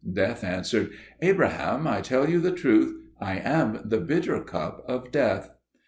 Death answered, "Abraham, I tell you the truth: I am the bitter cup of death."